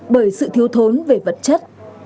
bởi sự thiếu thốn về vật chất